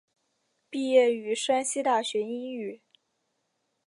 毕业于山西大学英语。